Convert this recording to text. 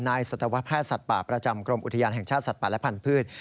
สัตวแพทย์สัตว์ป่าประจำกรมอุทยานแห่งชาติสัตว์ป่าและพันธุ์